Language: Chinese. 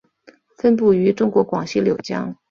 分布于中国广西柳江。